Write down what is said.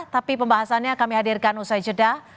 tapi pembahasannya kami hadirkan usai jeda